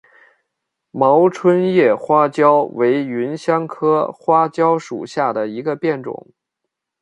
毛椿叶花椒为芸香科花椒属下的一个变种。